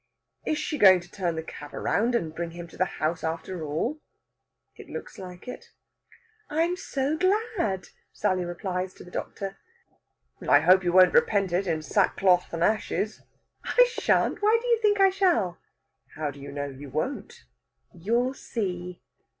"Is she going to turn the cab round and bring him to the house, after all?" It looks like it. "I'm so glad," Sally replies to the doctor. "I hope you won't repent it in sackcloth and ashes." "I shan't. Why do you think I shall?" "How do you know you won't?" "You'll see!"